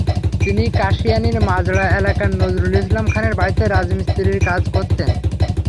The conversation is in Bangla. তিনি কাশিয়ানীর মাজড়া এলাকার নজরুল ইসলাম খানের বাড়িতে রাজমিস্ত্রির কাজ করতেন।